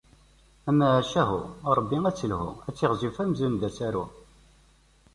Amacahu, Rebbi ad tt-isselhu, ad tiɣzif amzun d asaru.